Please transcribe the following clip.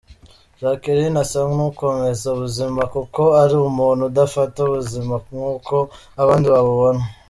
Jacqueline asa n’ukomeza ubuzima kuko ari umuntu udafata ubuzima nk’uko abandi babubona.